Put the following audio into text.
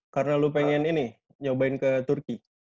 karena lo pengen ini nyobain ke turki